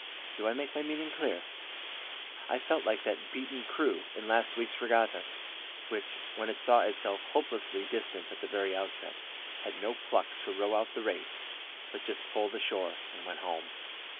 Do I make my meaning clear? I felt like that beaten crew in last week's regatta, which, when it saw itself hopelessly distanced at the very outset, had no pluck to row out the race, but just pulled ashore and went home.